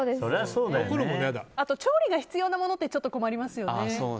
調理が必要なものってちょっと困りますよね。